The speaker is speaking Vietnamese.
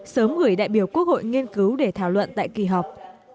sớm gửi đại biểu quốc hội nghiên cứu để thảo luận tại kỳ họp